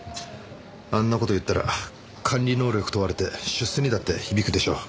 あんな事言ったら管理能力問われて出世にだって響くでしょう。